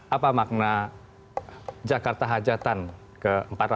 apa makna jakarta hajatan ke empat ratus enam puluh lima